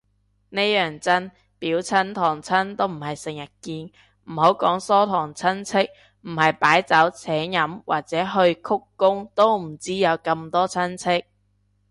呢樣真，表親堂親都唔係成日見，唔好講疏堂親戚，唔係擺酒請飲或者去鞠躬都唔知有咁多親戚